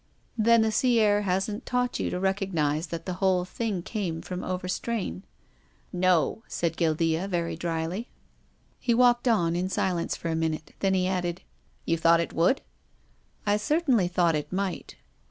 " Then the sea air hasn't taught you to recog nise that the whole thing came from ovrstrain." " No," said Guildea, very drily. 298 TONGUES OF CONSCIENCE. He walked on in silence for a minute. Then he added :" You thought it would ?"" I certainly thought it might."